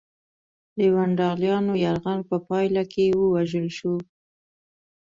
د ونډالیانو یرغل په پایله کې ووژل شو